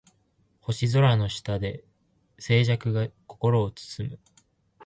星空の下で静寂が心を包む